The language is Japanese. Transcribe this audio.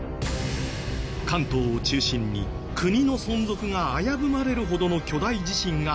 関東を中心に国の存続が危ぶまれるほどの巨大地震が発生。